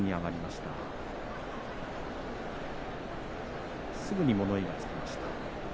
すぐに物言いがつきました。